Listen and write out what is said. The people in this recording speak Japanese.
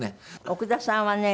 奥田さんはね